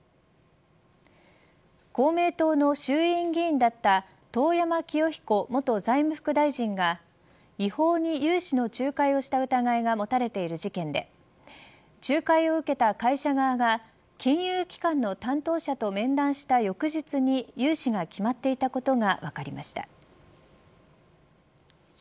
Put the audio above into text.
公明党の衆院議員だった遠山清彦元財務副大臣が違法に融資の仲介をした疑いが持たれている事件で仲介を受けた会社側が金融機関の担当者と面談した翌日に融資が決まっていたことが分かりました。